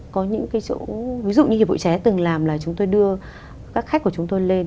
có những cái chỗ ví dụ như hiệp hội trẻ từng làm là chúng tôi đưa các khách của chúng tôi lên